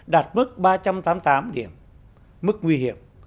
đạt mức ba trăm tám mươi tám điểm mức nguy hiểm